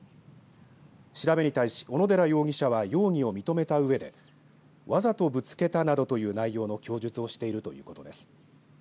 調べに対し、小野寺容疑者は容疑を認めたうえでわざとぶつけたなどという内容の供述をしているということです。